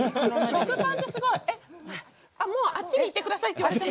もうあっちにいってくださいって。